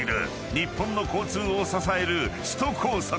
日本の交通を支える首都高速。